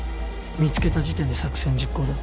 見つけた時点で作戦実行だ。